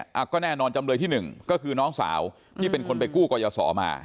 อ่ะก็แน่นอนจำเลยที่หนึ่งก็คือน้องสาวที่เป็นคนไปกู้ก่อยสอมา